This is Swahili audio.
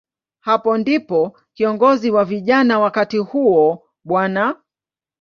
Hapo ndipo kiongozi wa vijana wakati huo, Bw.